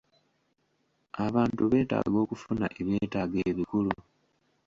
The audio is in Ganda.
Abantu beetaaga okufuna eby'etaago ebikulu.